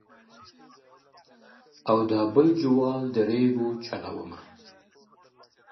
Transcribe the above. او دا بل جوال د رېګو چلومه؛